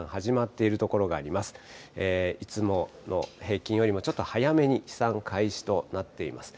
いつもの平均よりもちょっと早めに飛散開始となっています。